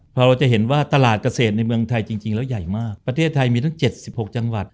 พอเราจะเห็นว่าตลาดเกษตรในเมืองไทยจริงแล้วใหญ่มากประเทศไทยมีทั้ง๗๖จังหวัด